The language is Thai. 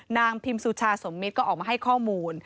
พิมสุชาสมมิตรก็ออกมาให้ข้อมูล